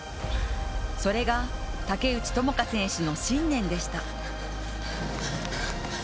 それが竹内智香選手の信念でした。